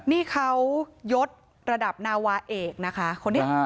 นี่เขายดระดับนาวาเอกนะคะคนนี้